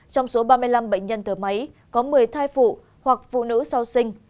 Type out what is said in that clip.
trong số ba mươi năm bệnh nhân thở máy có một mươi thai phụ hoặc phụ nữ sau sinh